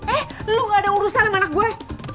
eh lu gak ada urusan sama anak gue